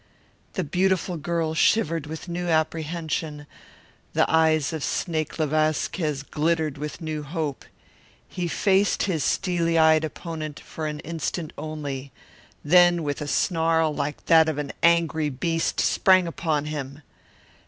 The beautiful girl shivered with new apprehension, the eyes of Snake le Vasquez glittered with new hope. He faced his steely eyed opponent for an instant only, then with a snarl like that of an angry beast sprang upon him.